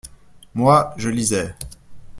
Moi, je lisais.